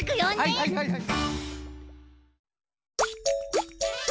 はいはいはいはい。